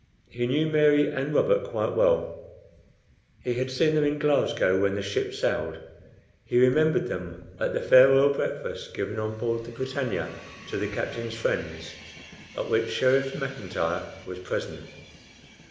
He knew Mary and Robert quite well. He had seen them in Glasgow when the ship sailed. He remembered them at the farewell breakfast given on board the BRITANNIA to the captain's friends, at which Sheriff Mcintyre was present.